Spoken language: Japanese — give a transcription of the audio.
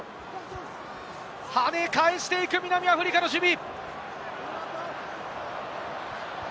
跳ね返していく南アフリカの守備。